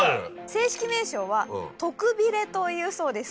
正式名称はトクビレというそうです。